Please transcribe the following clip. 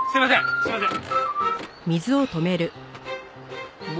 すいません。